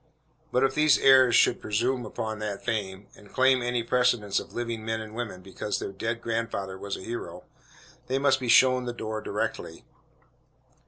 But if these heirs should presume upon that fame, and claim any precedence of living men and women because their dead grandfather was a hero they must be shown the door directly.